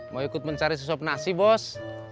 mau ikut mencari susop nasi bos